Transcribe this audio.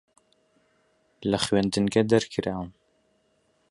لە خوێندنگە دەرکرام.